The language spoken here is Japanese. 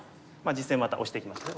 実戦またオシていきましたね。